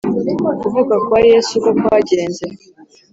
Kuvuka kwa Yesu, uko kwagenze